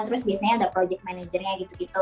terus biasanya ada project managernya gitu gitu